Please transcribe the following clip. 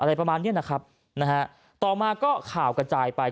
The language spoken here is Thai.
อะไรประมาณเนี้ยนะครับนะฮะต่อมาก็ข่าวกระจายไป